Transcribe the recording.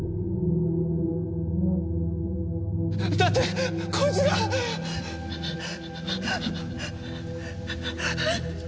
だってこいつが！あっ！？